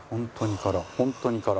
本当に空！